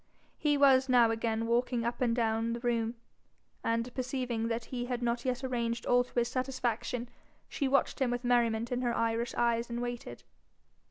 He was now again walking up and down the room, and, perceiving that he had not yet arranged all to his satisfaction, she watched him with merriment in her Irish eyes, and waited.